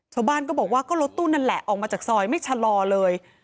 ชาวบ้านก็บอกว่าก็รถตู้นั่นแหละออกมาจากซอยไม่ชะลอเลย